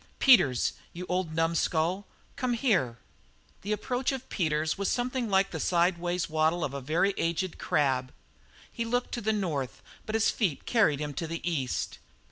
"Peters, you old numskull, come here!" The approach of Peters was something like the sidewise waddle of a very aged crab. He looked to the north, but his feet carried him to the east.